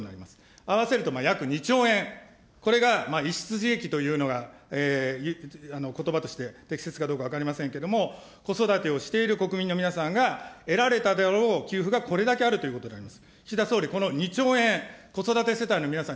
合わせると約２兆円、これが逸失利益というのがことばとして適切かどうか分かりませんけれども、子育てをしている国民の皆さんが得られたであろう給付がこれだけあるということになります。